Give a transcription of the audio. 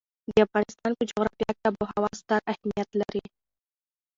د افغانستان په جغرافیه کې آب وهوا ستر اهمیت لري.